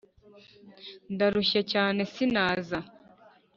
ndarushye.cyane sinaza